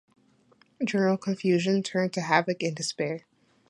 General confusion turned to havoc and despair.